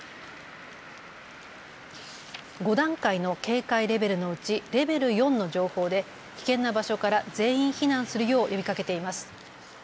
５段階の警戒レベルのうちレベル４の情報で危険な場所から全員避難するよう呼びかけています。